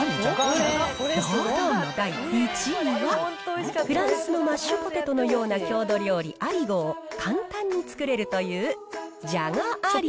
堂々の第１位はフランスのマッシュポテトのような郷土料理アリゴを簡単に作れるという。